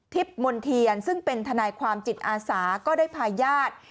มณ์เทียนซึ่งเป็นทนายความจิตอาสาก็ได้พาญาติ